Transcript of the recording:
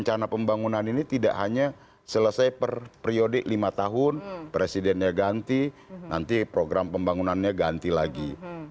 karena pembangunan ini tidak hanya selesai per priode lima tahun presidennya ganti nanti program pembangunannya ganti lagi